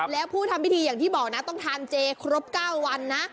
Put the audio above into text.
แล้วผู้ทำพิธีอย่างที่บอกนะต้องทานเจครบ๙วันนะ